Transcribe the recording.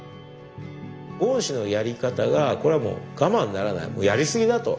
ゴーン氏のやり方がこれはもう我慢ならないやりすぎだと。